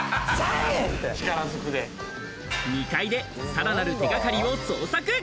２階でさらなる手掛かりを捜索。